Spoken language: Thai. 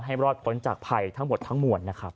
รอดพ้นจากภัยทั้งหมดทั้งมวลนะครับ